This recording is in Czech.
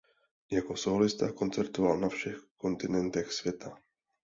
Jako sólista koncertoval na všech kontinentech světa.